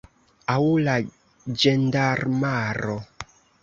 Aŭ la ĝendarmaro.